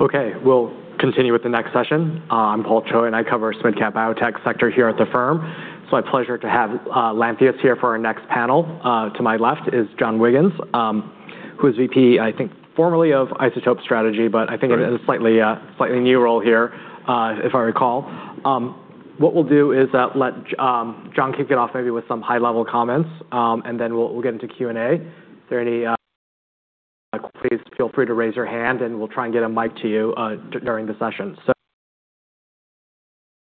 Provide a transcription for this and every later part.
Okay, we'll continue with the next session. I'm Paul Choi, I cover mid-cap biotech sector here at the firm. It's my pleasure to have Lantheus here for our next panel. To my left is John Wiggins, who is VP, I think formerly of Isotope Strategy, it is a slightly new role here, if I recall. What we'll do is let John kick it off maybe with some high-level comments, we'll get into Q&A. If there are any, please feel free to raise your hand, we'll try and get a mic to you during the session.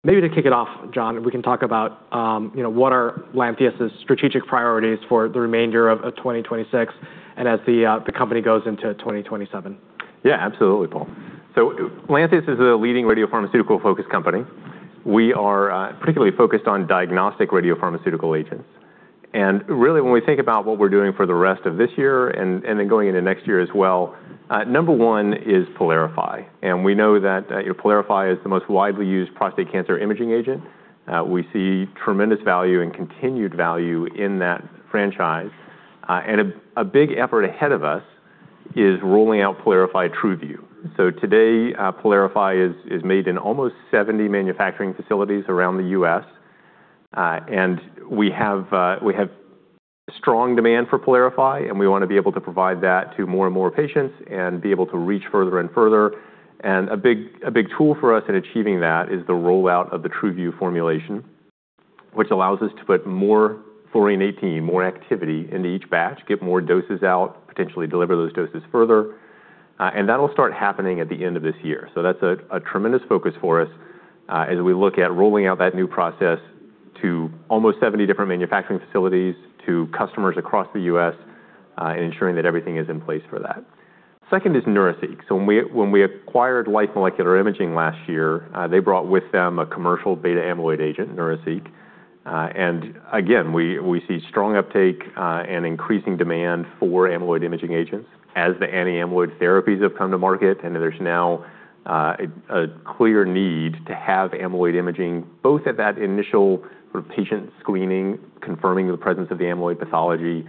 Maybe to kick it off, John, we can talk about what are Lantheus' strategic priorities for the remainder of 2026 and as the company goes into 2027. Yeah, absolutely, Paul. Lantheus is a leading radiopharmaceutical-focused company. We are particularly focused on diagnostic radiopharmaceutical agents. Really, when we think about what we're doing for the rest of this year and then going into next year as well, number one is PYLARIFY, we know that PYLARIFY is the most widely used prostate cancer imaging agent. We see tremendous value and continued value in that franchise. A big effort ahead of us is rolling out PYLARIFY TruVu. Today, PYLARIFY is made in almost 70 manufacturing facilities around the U.S. We have strong demand for PYLARIFY, we want to be able to provide that to more and more patients and be able to reach further and further. A big tool for us in achieving that is the rollout of the TruVu formulation, which allows us to put more fluorine-18, more activity into each batch, get more doses out, potentially deliver those doses further. That'll start happening at the end of this year. That's a tremendous focus for us as we look at rolling out that new process to almost 70 different manufacturing facilities, to customers across the U.S., ensuring that everything is in place for that. Second is Neuraceq. When we acquired Life Molecular Imaging last year, they brought with them a commercial beta-amyloid agent, Neuraceq. Again, we see strong uptake and increasing demand for amyloid imaging agents as the anti-amyloid therapies have come to market, there's now a clear need to have amyloid imaging, both at that initial patient screening, confirming the presence of the amyloid pathology,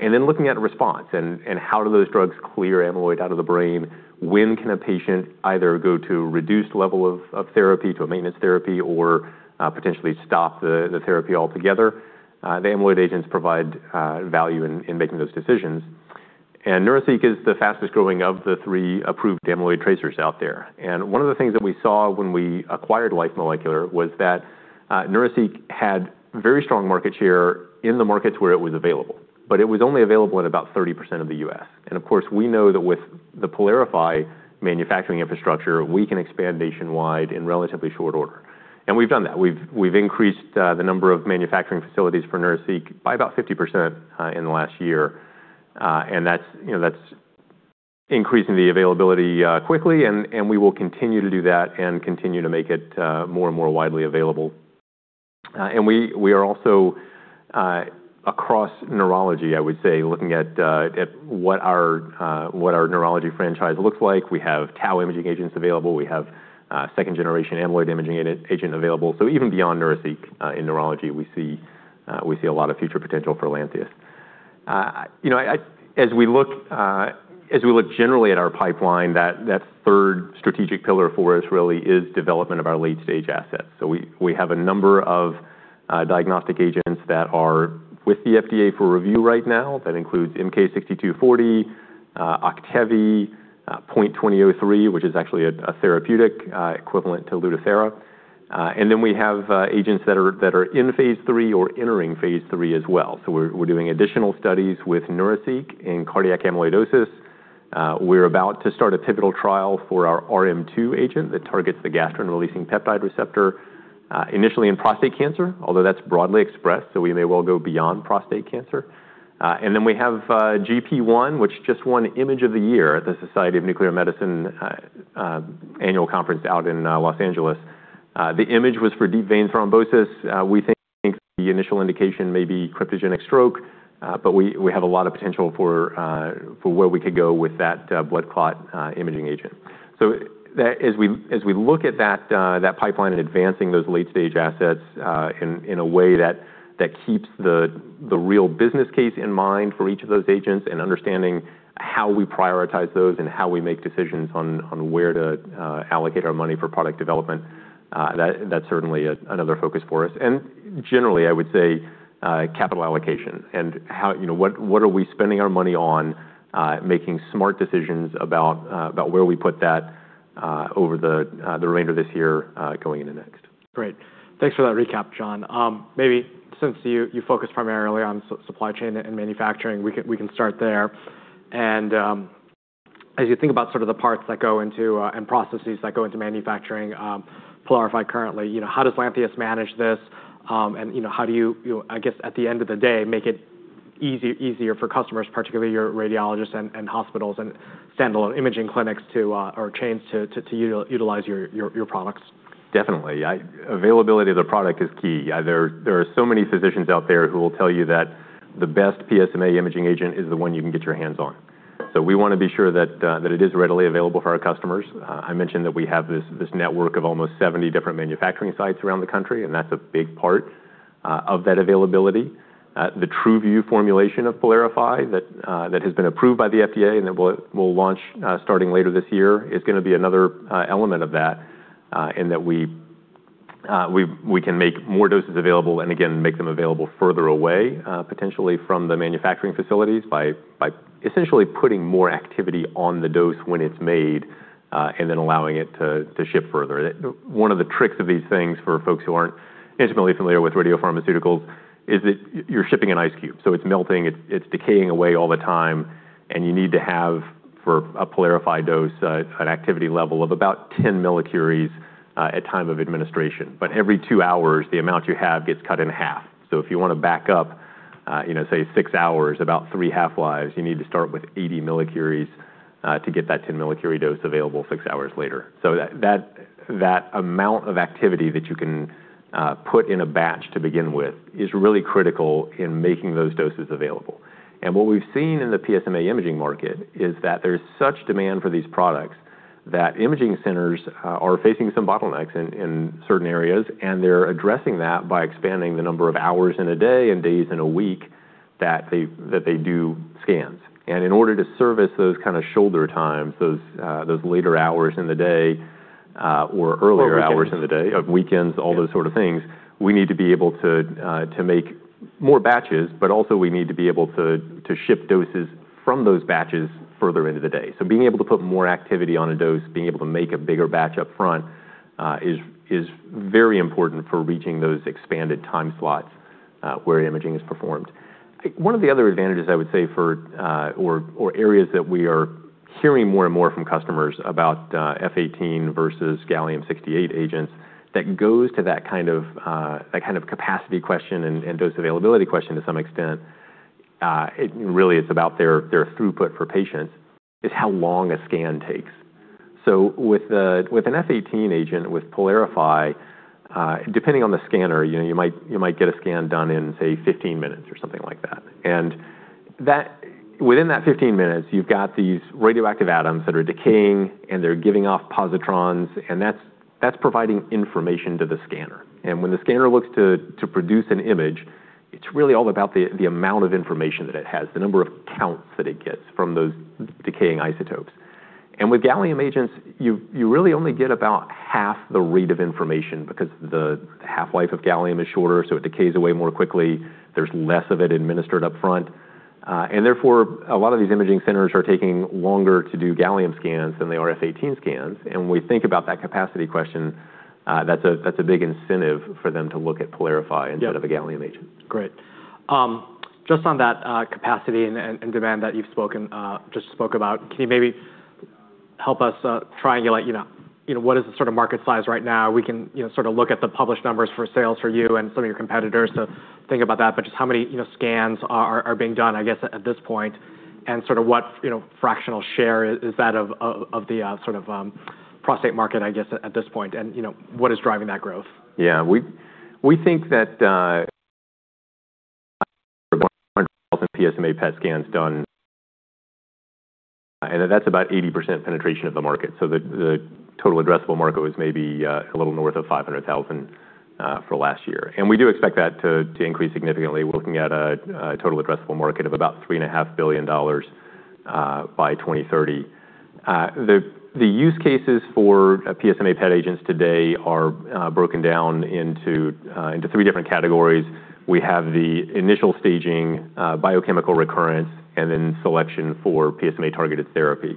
then looking at response and how do those drugs clear amyloid out of the brain. When can a patient either go to a reduced level of therapy, to a maintenance therapy, or potentially stop the therapy altogether? The amyloid agents provide value in making those decisions. Neuraceq is the fastest-growing of the three approved amyloid tracers out there. One of the things that we saw when we acquired Life Molecular was that Neuraceq had very strong market share in the markets where it was available, it was only available in about 30% of the U.S. Of course, we know that with the PYLARIFY manufacturing infrastructure, we can expand nationwide in relatively short order. We've done that. We've increased the number of manufacturing facilities for Neuraceq by about 50% in the last year. That's increasing the availability quickly, and we will continue to do that and continue to make it more and more widely available. We are also across neurology, I would say, looking at what our neurology franchise looks like. We have tau imaging agents available. We have second-generation amyloid imaging agent available. Even beyond Neuraceq in neurology, we see a lot of future potential for Lantheus. We look generally at our pipeline, that third strategic pillar for us really is development of our late-stage assets. We have a number of diagnostic agents that are with the FDA for review right now. That includes MK-6240, Active, PNT2003, which is actually a therapeutic equivalent to LUTATHERA. Then we have agents that are in phase III or entering phase III as well. We're doing additional studies with Neuraceq in cardiac amyloidosis. We're about to start a pivotal trial for our RM2 agent that targets the gastrin-releasing peptide receptor, initially in prostate cancer, although that's broadly expressed, so we may well go beyond prostate cancer. Then we have GP1, which just won Image of the Year at the Society of Nuclear Medicine annual conference out in Los Angeles. The image was for deep vein thrombosis. We think the initial indication may be cryptogenic stroke, but we have a lot of potential for where we could go with that blood clot imaging agent. As we look at that pipeline and advancing those late-stage assets in a way that keeps the real business case in mind for each of those agents and understanding how we prioritize those and how we make decisions on where to allocate our money for product development, that's certainly another focus for us. Generally, I would say capital allocation and what are we spending our money on, making smart decisions about where we put that over the remainder of this year going into next. Great. Thanks for that recap, John. Maybe since you focus primarily on supply chain and manufacturing, we can start there. As you think about sort of the parts that go into, and processes that go into manufacturing PYLARIFY currently, how does Lantheus manage this? How do you, I guess, at the end of the day, make it easier for customers, particularly your radiologists and hospitals and standalone imaging clinics or chains to utilize your products? Definitely. Availability of the product is key. There are so many physicians out there who will tell you that the best PSMA imaging agent is the one you can get your hands on. We want to be sure that it is readily available for our customers. I mentioned that we have this network of almost 70 different manufacturing sites around the country, and that's a big part of that availability. The TruVu formulation of PYLARIFY that has been approved by the FDA and that we will launch starting later this year, is going to be another element of that in that we can make more doses available, and again, make them available further away, potentially from the manufacturing facilities by essentially putting more activity on the dose when it is made, and then allowing it to ship further. One of the tricks of these things for folks who are not intimately familiar with radiopharmaceuticals is that you are shipping an ice cube, so it is melting, it is decaying away all the time, and you need to have, for a PYLARIFY dose, an activity level of about 10 millicuries at time of administration. Every two hours, the amount you have gets cut in half. If you want to back up, say, six hours, about three half-lives, you need to start with 80 millicuries to get that 10 millicurie dose available six hours later. That amount of activity that you can put in a batch to begin with is really critical in making those doses available. What we have seen in the PSMA imaging market is that there is such demand for these products that imaging centers are facing some bottlenecks in certain areas, and they are addressing that by expanding the number of hours in a day and days in a week that they do scans. In order to service those kind of shoulder times, those later hours in the day or earlier- Or weekends hours in the day, weekends, all those sort of things, we need to be able to make more batches, also, we need to be able to ship doses from those batches further into the day. Being able to put more activity on a dose, being able to make a bigger batch up front is very important for reaching those expanded time slots where imaging is performed. One of the other advantages I would say, or areas that we are hearing more and more from customers about F-18 versus gallium-68 agents that goes to that kind of capacity question and dose availability question to some extent, really it's about their throughput for patients, is how long a scan takes. With an F-18 agent, with PYLARIFY, depending on the scanner, you might get a scan done in, say, 15 minutes or something like that. Within that 15 minutes, you've got these radioactive atoms that are decaying, they're giving off positrons, that's providing information to the scanner. When the scanner looks to produce an image, it's really all about the amount of information that it has, the number of counts that it gets from those decaying isotopes. With gallium agents, you really only get about half the rate of information because the half-life of gallium is shorter, so it decays away more quickly. There's less of it administered up front. Therefore, a lot of these imaging centers are taking longer to do gallium scans than they are F-18 scans. When we think about that capacity question, that's a big incentive for them to look at PYLARIFY instead of a gallium agent. Great. Just on that capacity and demand that you've just spoke about, can you maybe help us triangulate what is the sort of market size right now? We can look at the published numbers for sales for you and some of your competitors to think about that, but just how many scans are being done, I guess, at this point, and what fractional share is that of the prostate market, I guess, at this point, and what is driving that growth? Yeah. We think that PSMA PET scans done, that's about 80% penetration of the market. The total addressable market was maybe a little north of $500,000 for last year. We do expect that to increase significantly. We're looking at a total addressable market of about $3.5 billion by 2030. The use cases for PSMA PET agents today are broken down into 3 different categories. We have the initial staging, biochemical recurrence, then selection for PSMA-targeted therapy.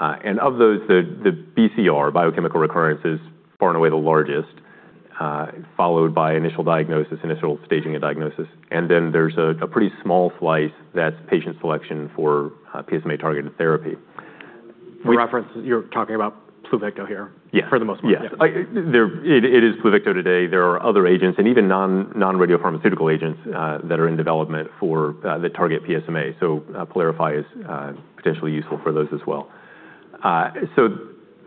Of those, the BCR, biochemical recurrence, is far and away the largest, followed by initial diagnosis, initial staging, and diagnosis. Then there's a pretty small slice that's patient selection for PSMA-targeted therapy. For reference, you're talking about Pluvicto here. Yeah for the most part. Yeah. It is Pluvicto today. There are other agents, and even non-radiopharmaceutical agents that are in development that target PSMA, PYLARIFY is potentially useful for those as well.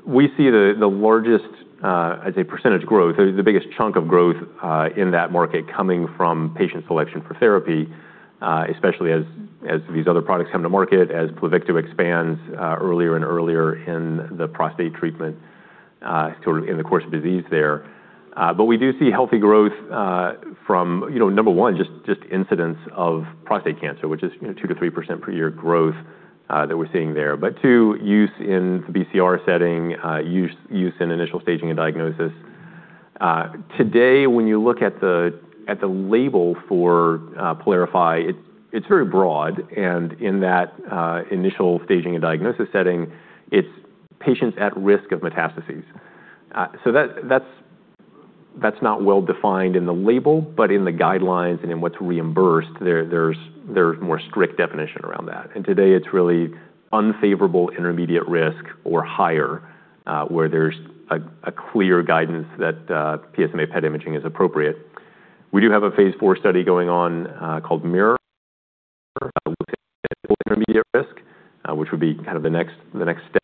We see the largest, I'd say, percentage growth, the biggest chunk of growth in that market coming from patient selection for therapy, especially as these other products come to market, as Pluvicto expands earlier and earlier in the prostate treatment, in the course of disease there. We do see healthy growth from, number one, just incidents of prostate cancer, which is 2%-3% per year growth that we're seeing there. Two, use in the BCR setting, use in initial staging and diagnosis. Today, when you look at the label for PYLARIFY, it's very broad, and in that initial staging and diagnosis setting, it's patients at risk of metastases. That's not well-defined in the label, but in the guidelines and in what's reimbursed, there's more strict definition around that. Today it's really unfavorable intermediate risk or higher, where there's a clear guidance that PSMA PET imaging is appropriate. We do have a phase IV study going on called MIRROR, looking at intermediate risk, which would be the next step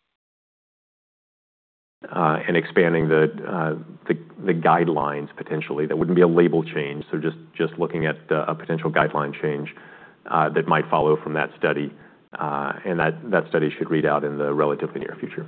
in expanding the guidelines, potentially. That wouldn't be a label change, just looking at a potential guideline change that might follow from that study, that study should read out in the relatively near future.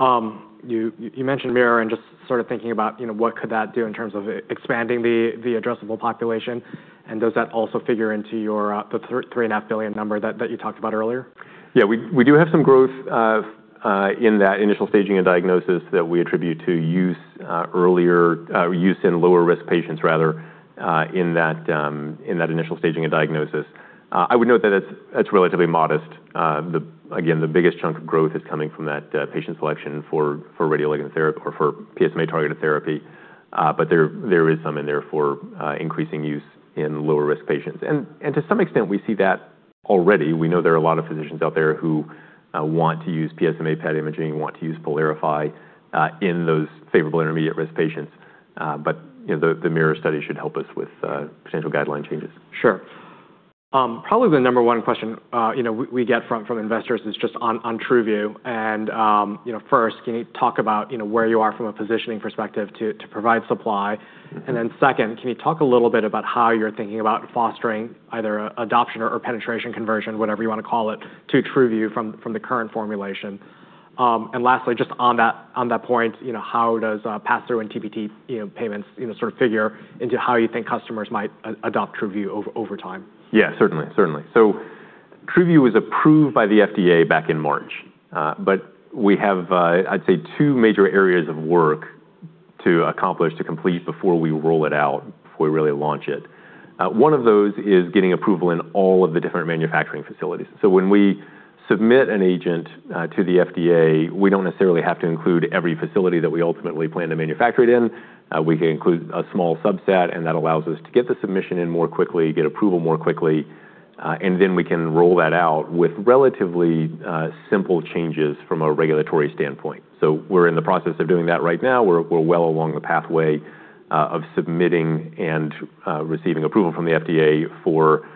You mentioned MIRROR and just thinking about what could that do in terms of expanding the addressable population, and does that also figure into the $3.5 billion number that you talked about earlier? Yeah, we do have some growth in that initial staging and diagnosis that we attribute to use in lower-risk patients, rather, in that initial staging and diagnosis. I would note that it's relatively modest. Again, the biggest chunk of growth is coming from that patient selection for radioligand therapy or for PSMA-targeted therapy. There is some in there for increasing use in lower-risk patients. To some extent, we see that already. We know there are a lot of physicians out there who want to use PSMA PET imaging, want to use PYLARIFY in those favorable intermediate-risk patients. The MIRROR study should help us with potential guideline changes. Sure. Probably the number one question we get from investors is just on TruVu. First, can you talk about where you are from a positioning perspective to provide supply? Then second, can you talk a little bit about how you're thinking about fostering either adoption or penetration conversion, whatever you want to call it, to TruVu from the current formulation? Lastly, just on that point, how does pass-through and TPT payments figure into how you think customers might adopt TruVu over time? Yeah, certainly. TruVu was approved by the FDA back in March. We have, I'd say, two major areas of work to accomplish, to complete before we roll it out, before we really launch it. One of those is getting approval in all of the different manufacturing facilities. When we submit an agent to the FDA, we don't necessarily have to include every facility that we ultimately plan to manufacture it in. We can include a small subset, and that allows us to get the submission in more quickly, get approval more quickly, and then we can roll that out with relatively simple changes from a regulatory standpoint. We're in the process of doing that right now. We're well along the pathway of submitting and receiving approval from the FDA for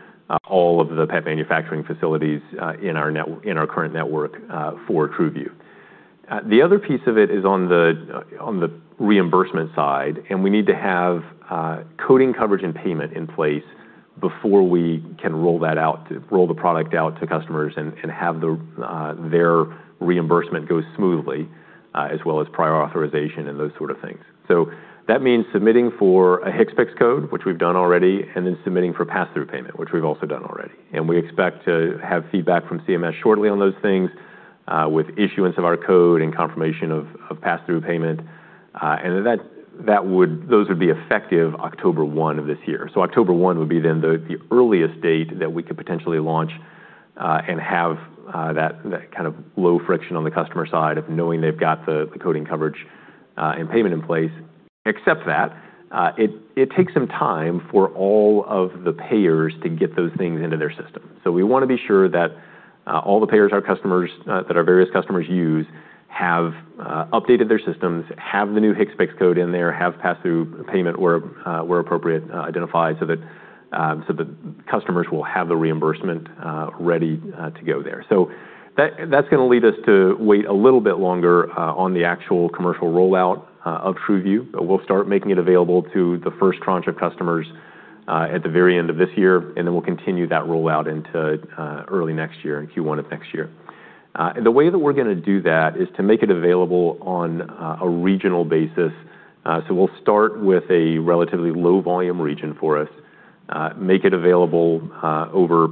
all of the PET manufacturing facilities in our current network for TruVu. We need to have coding coverage and payment in place before we can roll the product out to customers and have their reimbursement go smoothly, as well as prior authorization and those sort of things. That means submitting for a HCPCS code, which we've done already, then submitting for pass-through payment, which we've also done already. We expect to have feedback from CMS shortly on those things with issuance of our code and confirmation of pass-through payment. Those would be effective October 1 of this year. October 1 would be then the earliest date that we could potentially launch and have that low friction on the customer side of knowing they've got the coding coverage and payment in place. Except that it takes some time for all of the payers to get those things into their system. We want to be sure that all the payers that our various customers use have updated their systems, have the new HCPCS code in there, have pass-through payment where appropriate, identified so that customers will have the reimbursement ready to go there. That's going to lead us to wait a little bit longer on the actual commercial rollout of TruVu, we'll start making it available to the first tranche of customers at the very end of this year, we'll continue that rollout into early next year, in Q1 of next year. The way that we're going to do that is to make it available on a regional basis. We'll start with a relatively low-volume region for us, make it available over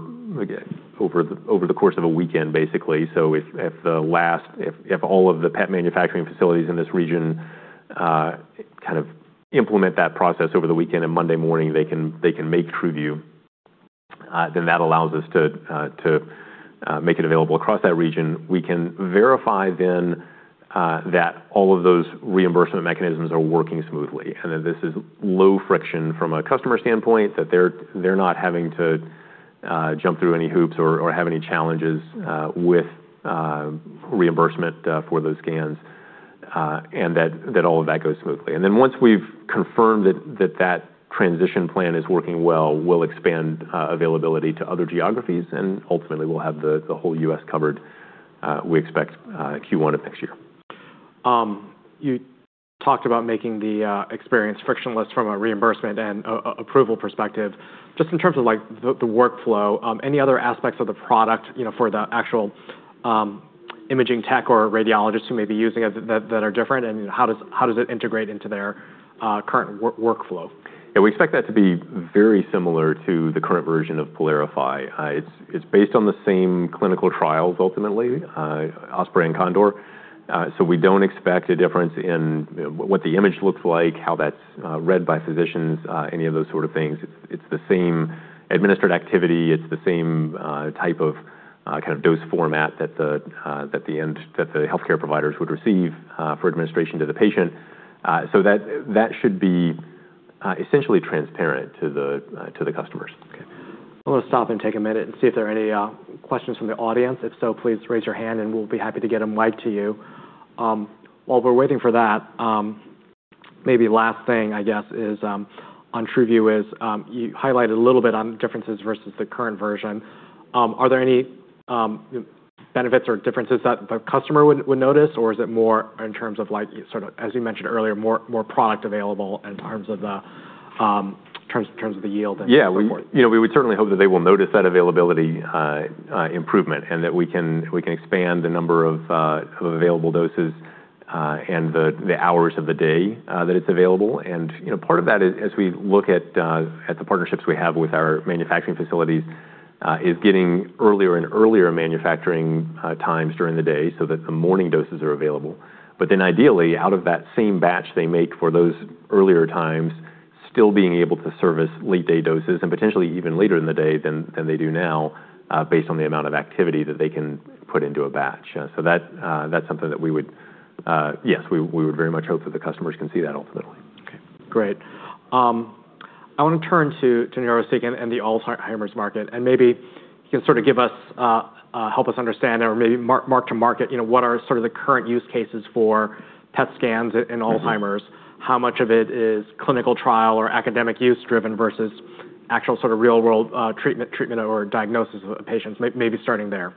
the course of a weekend, basically. If all of the PET manufacturing facilities in this region implement that process over the weekend, Monday morning, they can make TruVu, that allows us to make it available across that region. We can verify then that all of those reimbursement mechanisms are working smoothly, that this is low friction from a customer standpoint, that they're not having to jump through any hoops or have any challenges with reimbursement for those scans, that all of that goes smoothly. Once we've confirmed that transition plan is working well, we'll expand availability to other geographies, ultimately, we'll have the whole U.S. covered, we expect Q1 of next year. You talked about making the experience frictionless from a reimbursement and approval perspective. Just in terms of the workflow, any other aspects of the product for the actual imaging tech or radiologists who may be using it that are different, and how does it integrate into their current workflow? Yeah, we expect that to be very similar to the current version of PYLARIFY. It's based on the same clinical trials ultimately, OSPREY and CONDOR. We don't expect a difference in what the image looks like, how that's read by physicians, any of those sort of things. It's the same administered activity. It's the same type of dose format that the healthcare providers would receive for administration to the patient. That should be essentially transparent to the customers. Okay. I want to stop and take a minute and see if there are any questions from the audience. If so, please raise your hand, and we'll be happy to get a mic to you. While we're waiting for that, maybe last thing, I guess, on TruVu is you highlighted a little bit on differences versus the current version. Are there any benefits or differences that the customer would notice, or is it more in terms of, as you mentioned earlier, more product available in terms of the yield and so forth. Yeah. We would certainly hope that they will notice that availability improvement and that we can expand the number of available doses and the hours of the day that it's available. Part of that is as we look at the partnerships we have with our manufacturing facilities, is getting earlier and earlier manufacturing times during the day so that the morning doses are available. Ideally, out of that same batch they make for those earlier times, still being able to service late-day doses and potentially even later in the day than they do now based on the amount of activity that they can put into a batch. That's something that we would very much hope that the customers can see that ultimately. Okay, great. I want to turn to Neuraceq and the Alzheimer's market, maybe you can help us understand or maybe mark to market what are the current use cases for PET scans in Alzheimer's, how much of it is clinical trial or academic use driven versus actual real-world treatment or diagnosis of patients, maybe starting there.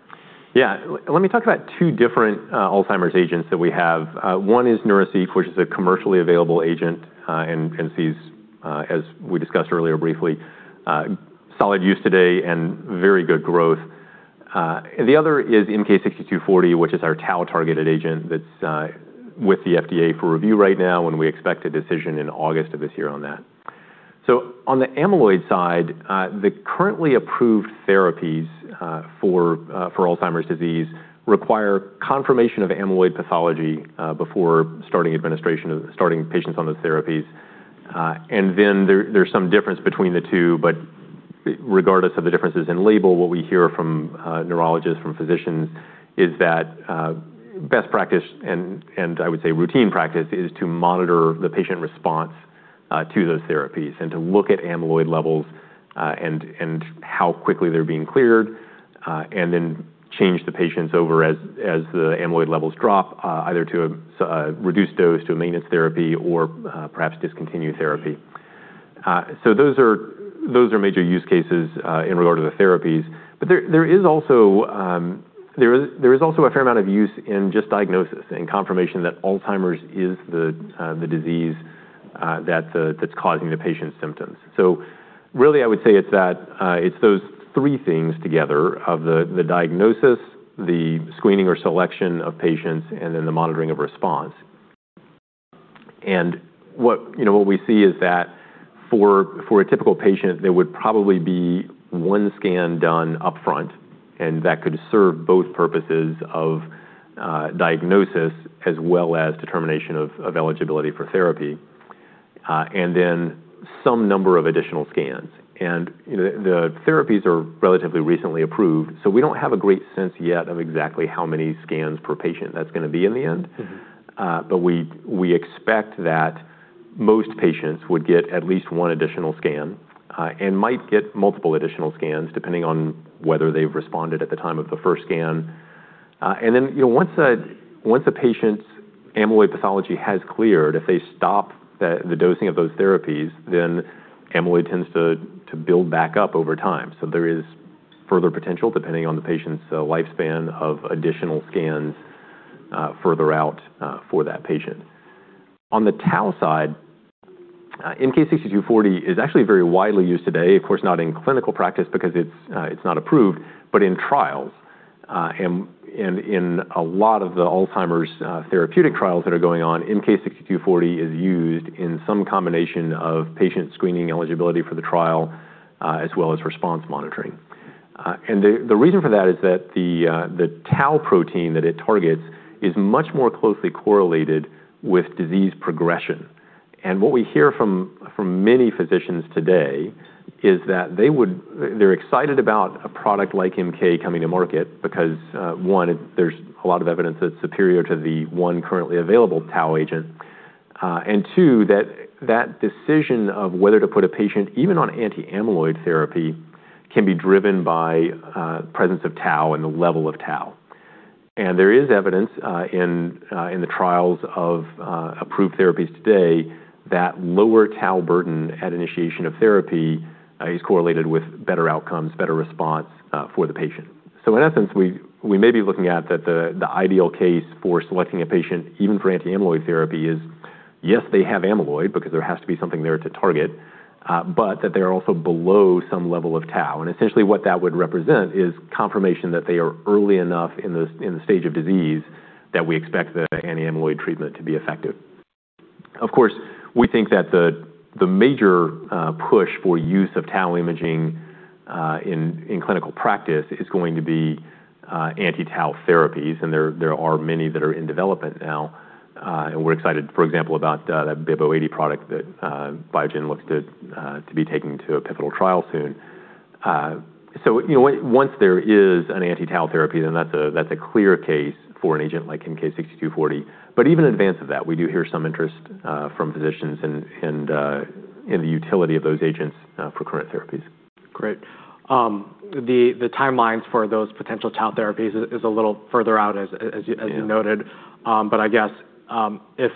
Yeah. Let me talk about two different Alzheimer's agents that we have. One is Neuraceq, which is a commercially available agent and sees, as we discussed earlier briefly, solid use today and very good growth. The other is MK-6240, which is our tau-targeted agent that's with the FDA for review right now, and we expect a decision in August of this year on that. On the amyloid side, the currently approved therapies for Alzheimer's disease require confirmation of amyloid pathology before starting patients on those therapies. There's some difference between the two, but regardless of the differences in label, what we hear from neurologists, from physicians, is that best practice and I would say routine practice, is to monitor the patient response to those therapies and to look at amyloid levels and how quickly they're being cleared, then change the patients over as the amyloid levels drop, either to a reduced dose, to a maintenance therapy, or perhaps discontinue therapy. Those are major use cases in regard to the therapies. There is also a fair amount of use in just diagnosis and confirmation that Alzheimer's is the disease that's causing the patient's symptoms. Really, I would say it's those three things together of the diagnosis, the screening or selection of patients, and then the monitoring of response. What we see is that for a typical patient, there would probably be one scan done upfront, and that could serve both purposes of diagnosis as well as determination of eligibility for therapy, then some number of additional scans. The therapies are relatively recently approved, we don't have a great sense yet of exactly how many scans per patient that's going to be in the end. We expect that most patients would get at least one additional scan and might get multiple additional scans depending on whether they've responded at the time of the first scan. Once a patient's amyloid pathology has cleared, if they stop the dosing of those therapies, then amyloid tends to build back up over time. There is further potential, depending on the patient's lifespan of additional scans further out for that patient. On the tau side, MK-6240 is actually very widely used today, of course not in clinical practice because it's not approved, but in trials. In a lot of the Alzheimer's therapeutic trials that are going on, MK-6240 is used in some combination of patient screening eligibility for the trial as well as response monitoring. The reason for that is that the tau protein that it targets is much more closely correlated with disease progression. What we hear from many physicians today is that they're excited about a product like MK coming to market because, one, there's a lot of evidence that it's superior to the one currently available tau agent. Two, that decision of whether to put a patient even on anti-amyloid therapy can be driven by presence of tau and the level of tau. There is evidence in the trials of approved therapies today that lower tau burden at initiation of therapy is correlated with better outcomes, better response for the patient. In essence, we may be looking at that the ideal case for selecting a patient, even for anti-amyloid therapy is, yes, they have amyloid because there has to be something there to target, but that they are also below some level of tau. Essentially what that would represent is confirmation that they are early enough in the stage of disease that we expect the anti-amyloid treatment to be effective. Of course, we think that the major push for use of tau imaging in clinical practice is going to be anti-tau therapies, there are many that are in development now. We're excited, for example, about that BIIB080 product that Biogen looks to be taking to a pivotal trial soon. Once there is an anti-tau therapy, that's a clear case for an agent like MK-6240. Even in advance of that, we do hear some interest from physicians and in the utility of those agents for current therapies. Great. The timelines for those potential tau therapies is a little further out as you noted. Yeah. I guess if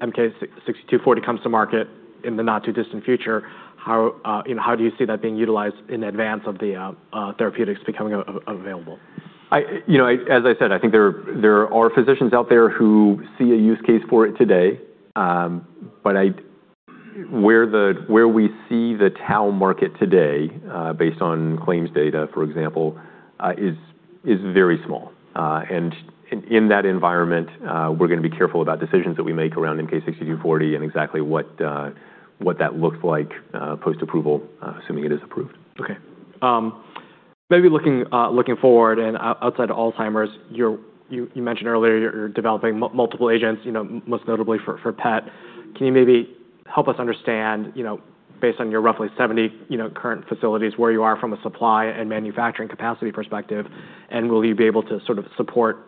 MK-6240 comes to market in the not-too-distant future, how do you see that being utilized in advance of the therapeutics becoming available? As I said, I think there are physicians out there who see a use case for it today, but where we see the tau market today, based on claims data, for example, is very small. In that environment, we're going to be careful about decisions that we make around MK-6240 and exactly what that looks like post-approval, assuming it is approved. Okay. Maybe looking forward and outside of Alzheimer's, you mentioned earlier you're developing multiple agents, most notably for PET. Can you maybe help us understand, based on your roughly 70 current facilities, where you are from a supply and manufacturing capacity perspective? Will you be able to support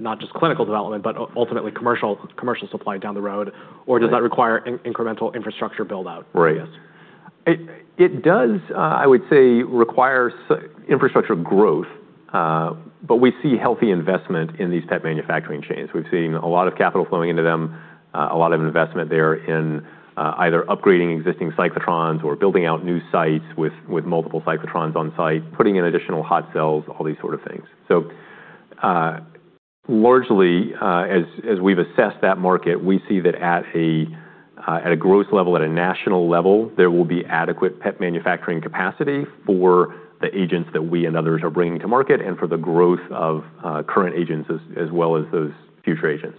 not just clinical development, but ultimately commercial supply down the road? Does that require incremental infrastructure build-out? Right. It does, I would say, require infrastructure growth, but we see healthy investment in these PET manufacturing chains. We've seen a lot of capital flowing into them, a lot of investment there in either upgrading existing cyclotrons or building out new sites with multiple cyclotrons on site, putting in additional hot cells, all these sort of things. Largely, as we've assessed that market, we see that at a gross level, at a national level, there will be adequate PET manufacturing capacity for the agents that we and others are bringing to market and for the growth of current agents, as well as those future agents.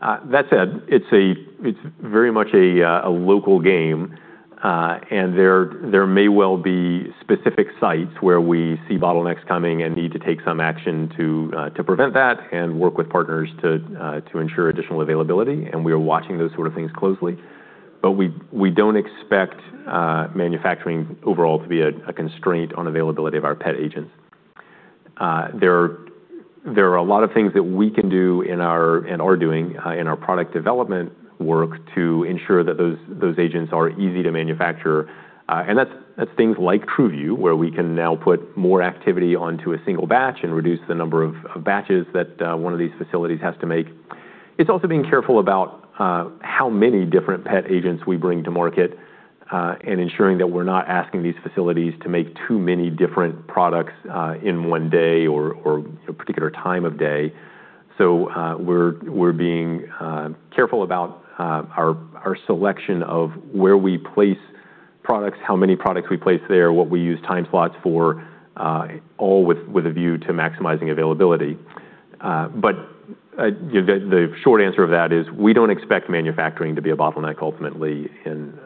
That said, it's very much a local game, and there may well be specific sites where we see bottlenecks coming and need to take some action to prevent that and work with partners to ensure additional availability, and we are watching those sort of things closely. We don't expect manufacturing overall to be a constraint on availability of our PET agents. There are a lot of things that we can do and are doing in our product development work to ensure that those agents are easy to manufacture. That's things like TruVu, where we can now put more activity onto a single batch and reduce the number of batches that one of these facilities has to make. It's also being careful about how many different PET agents we bring to market and ensuring that we're not asking these facilities to make too many different products in one day or a particular time of day. We're being careful about our selection of where we place products, how many products we place there, what we use time slots for, all with a view to maximizing availability. The short answer of that is we don't expect manufacturing to be a bottleneck ultimately in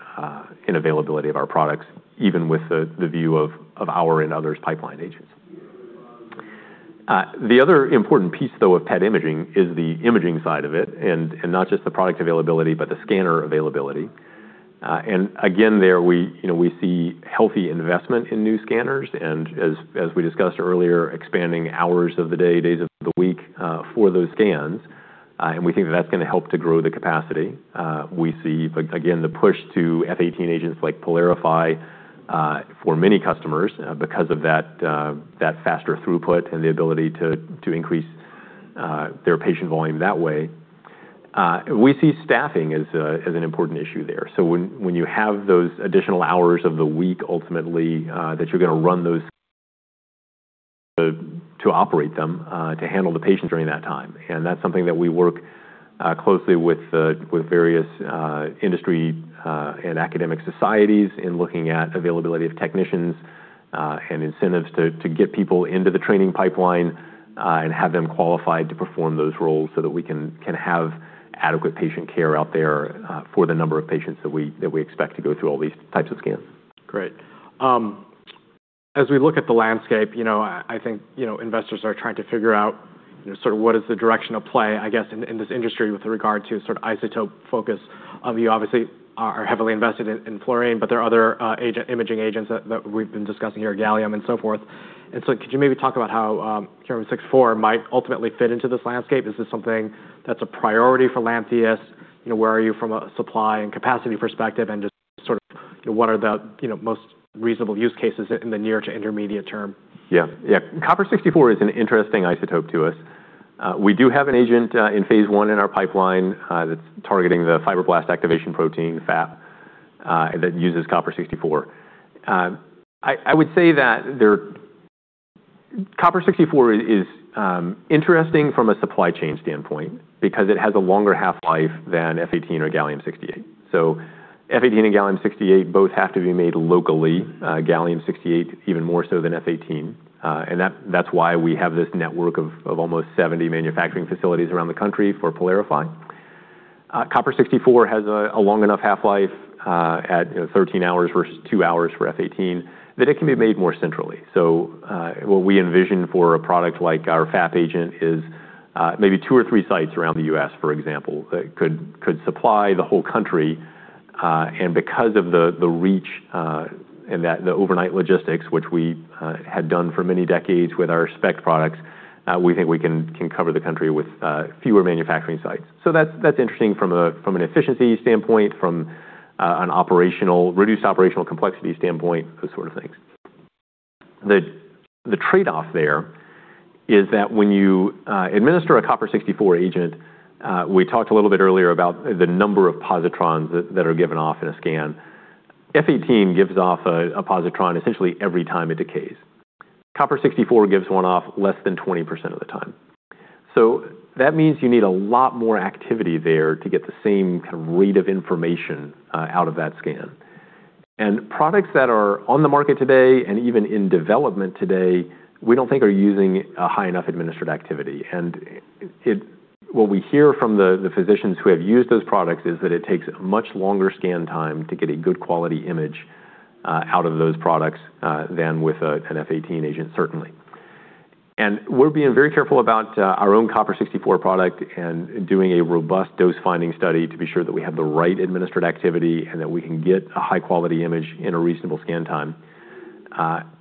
availability of our products, even with the view of our and others' pipeline agents. The other important piece, though, of PET imaging is the imaging side of it, and not just the product availability, but the scanner availability. Again, there we see healthy investment in new scanners and, as we discussed earlier, expanding hours of the day, days of the week for those scans, and we think that that's going to help to grow the capacity. We see, again, the push to F-18 agents like PYLARIFY for many customers because of that faster throughput and the ability to increase their patient volume that way. We see staffing as an important issue there. When you have those additional hours of the week, ultimately, that you're going to run those to operate them, to handle the patients during that time. That's something that we work closely with various industry and academic societies in looking at availability of technicians and incentives to get people into the training pipeline and have them qualified to perform those roles so that we can have adequate patient care out there for the number of patients that we expect to go through all these types of scans. Great. As we look at the landscape, I think investors are trying to figure out what is the direction of play, I guess, in this industry with regard to isotope focus. You obviously are heavily invested in fluorine, but there are other imaging agents that we've been discussing here, gallium and so forth. Could you maybe talk about how copper-64 might ultimately fit into this landscape? Is this something that's a priority for Lantheus? Where are you from a supply and capacity perspective, and just what are the most reasonable use cases in the near to intermediate term? Yeah. Copper-64 is an interesting isotope to us. We do have an agent in phase I in our pipeline that's targeting the fibroblast activation protein, FAP, that uses copper-64. I would say that copper-64 is interesting from a supply chain standpoint because it has a longer half-life than F-18 or gallium-68. F-18 and gallium-68 both have to be made locally, gallium-68 even more so than F-18, and that's why we have this network of almost 70 manufacturing facilities around the country for PYLARIFY. Copper-64 has a long enough half-life at 13 hours versus two hours for F-18 that it can be made more centrally. What we envision for a product like our FAP agent is maybe two or three sites around the U.S., for example, that could supply the whole country. Because of the reach and the overnight logistics, which we had done for many decades with our SPECT products, we think we can cover the country with fewer manufacturing sites. That's interesting from an efficiency standpoint, from a reduced operational complexity standpoint, those sort of things. The trade-off there is that when you administer a copper-64 agent, we talked a little bit earlier about the number of positrons that are given off in a scan. F-18 gives off a positron essentially every time it decays. Copper-64 gives one off less than 20% of the time. That means you need a lot more activity there to get the same kind of read of information out of that scan. Products that are on the market today and even in development today, we don't think are using a high enough administered activity. What we hear from the physicians who have used those products is that it takes a much longer scan time to get a good quality image out of those products than with an F-18 agent, certainly. We're being very careful about our own copper-64 product and doing a robust dose-finding study to be sure that we have the right administered activity and that we can get a high-quality image in a reasonable scan time.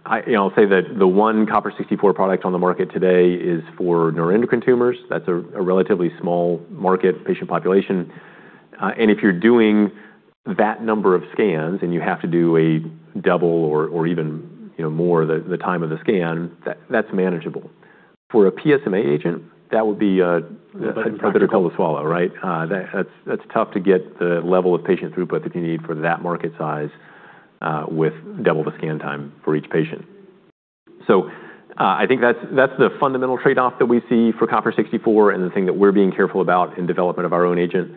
I'll say that the one copper-64 product on the market today is for neuroendocrine tumors. That's a relatively small market patient population. If you're doing that number of scans and you have to do a double or even more the time of the scan, that's manageable. For a PSMA agent, that would be a- But it's- bitter pill to swallow, right? That's tough to get the level of patient throughput that you need for that market size with double the scan time for each patient. I think that's the fundamental trade-off that we see for copper-64 and the thing that we're being careful about in development of our own agent.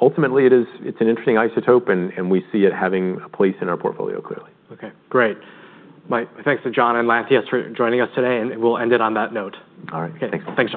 Ultimately, it's an interesting isotope, and we see it having a place in our portfolio, clearly. Okay, great. My thanks to John and Lantheus for joining us today, and we'll end it on that note. All right. Thanks. Thanks, John.